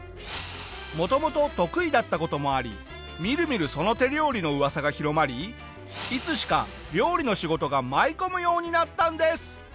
もともと得意だった事もありみるみるその手料理の噂が広まりいつしか料理の仕事が舞い込むようになったんです。